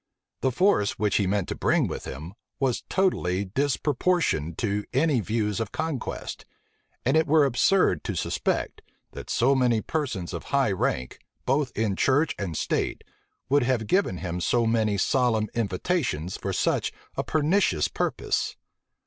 The force which he meant to bring with him, was totally disproportioned to any views of conquest; and it were absurd to suspect, that so many persons of high rank, both in church and state, would have given him so many solemn invitations for such a pernicious purpose.